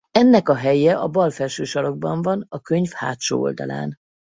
Ennek a helye a bal felső sarokban van a könyv hátsó oldalán.